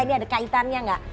ini ada kaitannya gak